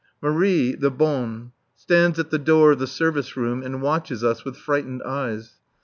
Marie, the bonne, stands at the door of the service room and watches us with frightened eyes.